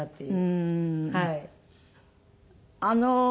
はい。